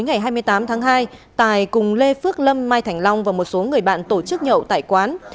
ngày hai mươi tám tháng hai tài cùng lê phước lâm mai thành long và một số người bạn tổ chức nhậu tại quán